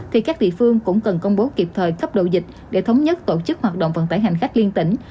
thì các địa phương cũng cần công bố kịp thời cấp độ dịch để thống nhất tổ chức hoạt động vận tải hành khách liên tỉnh